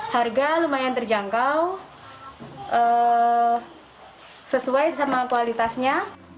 harga lumayan terjangkau sesuai sama kualitasnya